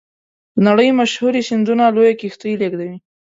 د نړۍ مشهورې سیندونه لویې کښتۍ لیږدوي.